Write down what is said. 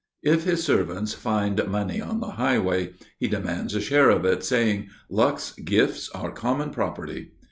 If his servants find money on the highway, he demands a share of it, saying: "Luck's gifts are common property."